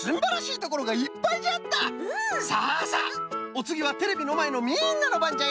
さあさあおつぎはテレビのまえのみんなのばんじゃよ！